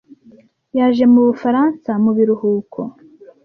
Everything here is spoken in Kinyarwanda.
Yaje mu Bufaransa mu biruhuko.